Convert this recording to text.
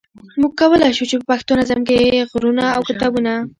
موږ کولای شو چې په پښتو نظم کې غرونه او کتابونه.